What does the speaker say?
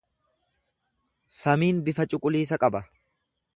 Samiin bifa cuquliisa qaba.